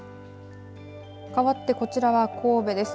かわって、こちらは神戸です。